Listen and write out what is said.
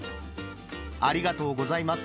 ありがとうございます。